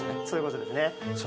そういうことですね。